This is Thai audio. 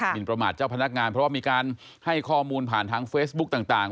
นประมาทเจ้าพนักงานเพราะว่ามีการให้ข้อมูลผ่านทางเฟซบุ๊กต่าง